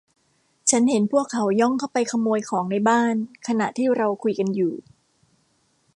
ฉันเห็นพวกเขาย่องเข้าไปขโมยของในบ้านขณะที่เราคุยกันอยู่